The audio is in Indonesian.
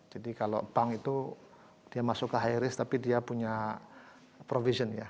jadi kalau bank itu dia masuk ke high risk tapi dia punya provision ya